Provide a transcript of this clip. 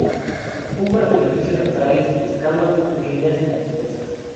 Un par de orificios nasales; escamas muy pequeñas y dispersas.